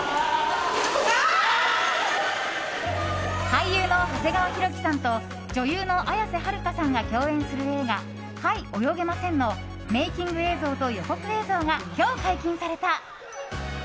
俳優の長谷川博己さんと女優の綾瀬はるかさんが共演する映画「はい、泳げません」のメイキング映像と予告映像が今日解禁された。